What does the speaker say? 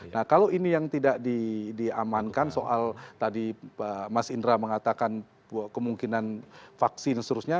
nah kalau ini yang tidak diamankan soal tadi mas indra mengatakan kemungkinan vaksin seterusnya